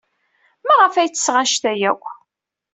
Maɣef ay ttesseɣ anect-a akk?